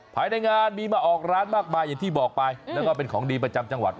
ภายในงานมีมาออกร้านมากมายอย่างที่บอกไปแล้วก็เป็นของดีประจำจังหวัด